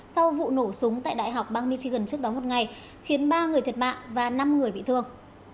sau vụ nổ súng tại đại học bang michigan trước đó một ngày khiến ba người thiệt mạng và năm người bị thương